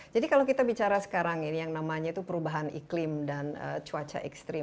jadi kalau kita bicara sekarang yang namanya perubahan iklim dan cuaca ekstrim